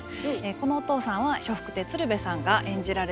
このお父さんは笑福亭鶴瓶さんが演じられています。